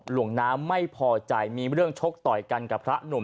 หลวงน้ำไม่พอใจมีเรื่องชกต่อยกันกับพระหนุ่ม